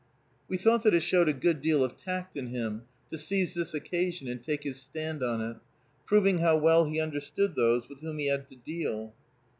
We thought that it showed a good deal of tact in him, to seize this occasion and take his stand on it; proving how well he understood those with whom he had to deal.